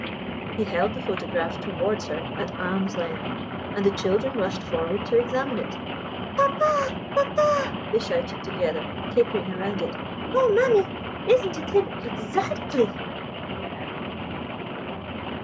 He held the photograph towards her at arm's length, and the children rushed forward to examine it. "Papa! papa!" they shouted together, capering around it. "Oh, mammy, isn't it him _exactly?